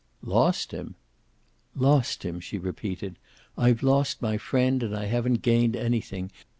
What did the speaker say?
"Lost him!" "Lost him," she repeated. "I've lost my friend, and I haven't gained anything.